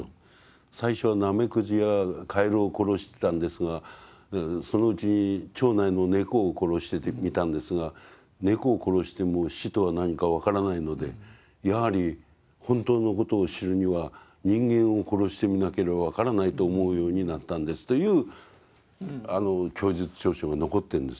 「最初はナメクジやカエルを殺してたんですがそのうちに町内のネコを殺してみたんですがネコを殺しても死とは何か分からないのでやはり本当のことを知るには人間を殺してみなければ分からないと思うようになったんです」という供述調書が残ってるんですよね。